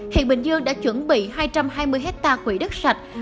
hiện bình dương đã chuẩn bị hai trăm hai mươi hectare quỹ đất sạch